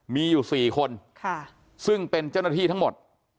มีอยู่๔คนซึ่งเป็นเจ้าหน้าที่ทั้งหมด